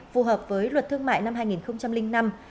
phù hợp với luật thương mại năm hai nghìn năm